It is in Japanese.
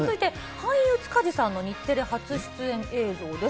俳優、塚地さんの日テレ初出演映像です。